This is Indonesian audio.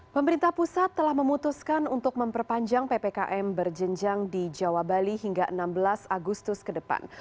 pemerintah pusat telah memutuskan untuk memperpanjang ppkm berjenjang di jawa bali hingga enam belas agustus ke depan